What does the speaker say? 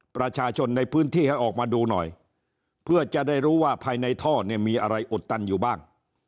ประชาชนในพื้นที่ให้ออกมาดูหน่อยเพื่อจะได้รู้ว่าภายในท่อเนี่ยมีอะไรอุดตันอยู่บ้าง